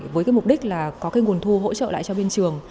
với mục đích là có nguồn thu hỗ trợ lại cho biên trường